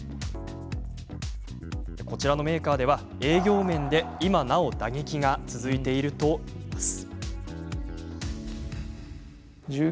こちらのメーカーでは営業面で、今なお打撃が続いているといいます。